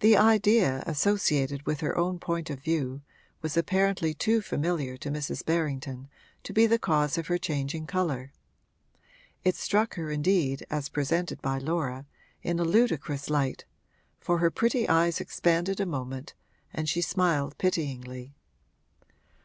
The idea associated with her own point of view was apparently too familiar to Mrs. Berrington to be the cause of her changing colour; it struck her indeed, as presented by Laura, in a ludicrous light, for her pretty eyes expanded a moment and she smiled pityingly.